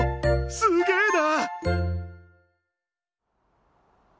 すげえな！